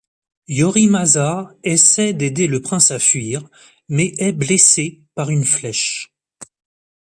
Yorimasa essaye d'aider le prince à fuir, mais est blessé par une flèche.